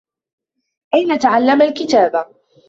أين تعلّم الكتابة؟